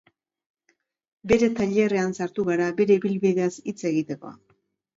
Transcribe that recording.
Bere tailerrean sartu gara bere ibilbideaz hitz egiteko.